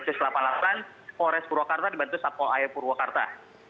orang purwakarta dibantu sapo ayo purwakarta